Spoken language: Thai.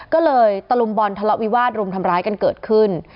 ก็เลยตะลุมบอลทะเลาะวิวาสรุมทำร้ายกันเกิดขึ้น